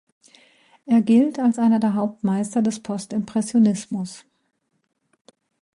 Er gilt als einer der Hauptmeister des Postimpressionismus.